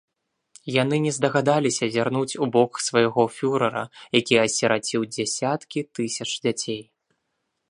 Яны не здагадаліся зірнуць у бок свайго фюрэра, які асіраціў дзесяткі тысяч дзяцей.